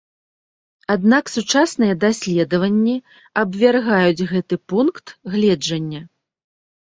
Аднак сучасныя даследаванні абвяргаюць гэты пункт гледжання.